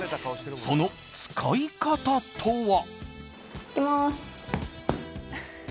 その使い方とは。